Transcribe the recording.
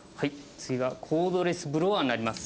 次はコードレスブロワになります。